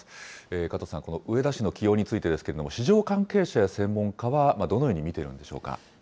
加藤さん、この植田氏の起用についてですけれども、市場関係者や専門家はどのように見ているんでしょうか？